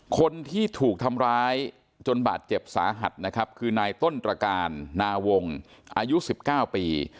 คนที่ถูกทำร้ายจนบาดเจ็บสาหัสนะครับคือนายต้นตรการนาวงอายุ๑๙ปี